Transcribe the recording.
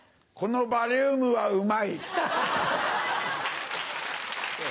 このバリウムはうまい！